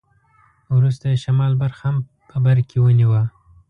وروسته یې شمال برخه هم په برکې ونیوه.